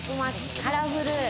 カラフル。